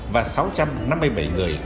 và sáu trăm năm mươi bảy người